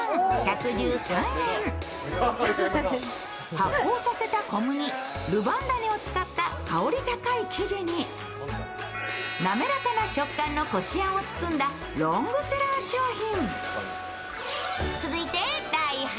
発酵させた小麦、ルヴァン種を使った香り高い生地に滑らかな食感のこしあんを包んだ、ロングセラー商品。